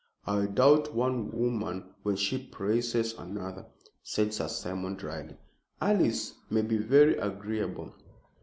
"I doubt one woman when she praises another," said Sir Simon, dryly. "Alice may be very agreeable."